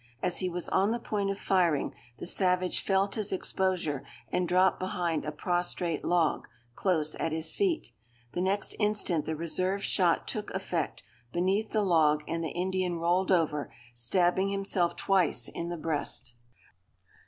As he was on the point of firing, the savage felt his exposure, and dropped behind a prostrate log, close at his feet. The next instant the reserved shot took effect, beneath the log, and the Indian rolled over, stabbing himself twice in the breast.